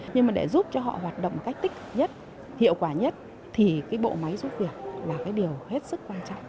nhưng mà để giúp cho họ hoạt động cách tích nhất hiệu quả nhất thì cái bộ máy giúp việc là cái điều hết sức quan trọng